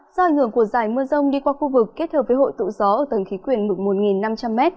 do ảnh hưởng của giải mưa rông đi qua khu vực kết hợp với hội tụ gió ở tầng khí quyển mực một năm trăm linh m